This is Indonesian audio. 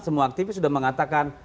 semua aktivis sudah mengatakan